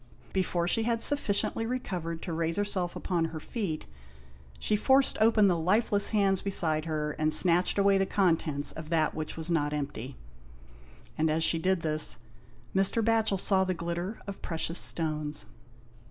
Before she had sufficiently recovered to raise herself upon her feet, she forced open the lifeless hands beside her and snatched away the contents of that which was not empty ; and as she did this, Mr. Batchel saw the glitter of precious stones.